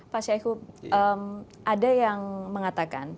pak syaihu ada yang mengatakan